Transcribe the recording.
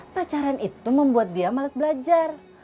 pacaran itu membuat dia males belajar